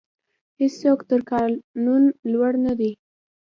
هیڅوک تر قانون لوړ نه دی.